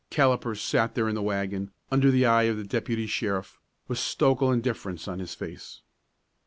Callipers sat there in the wagon, under the eye of the deputy sheriff, with stoical indifference on his face.